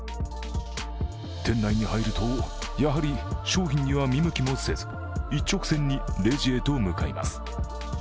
店内に入ると、やはり商品には見向きもせず一直線にレジへと向かいます。